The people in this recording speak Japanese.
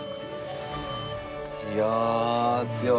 いや強い。